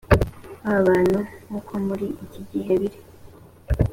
babantu nk uko muri iki gihe biri